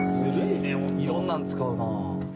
いろんなん使うなあ。